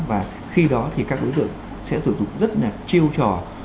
và khi đó thì các đối tượng sẽ sử dụng rất là chiêu trò